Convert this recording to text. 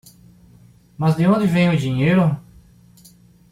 Mas de onde vem o dinheiro?